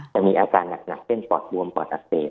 จะมีอาการหนักเส้นปลอดรวมปลอดอเศษ